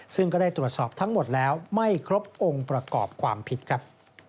ซึ่งก็ได้ตรวจสอบทั้งหมดแล้วไม่ครบองค์ประกอบความผิดครับ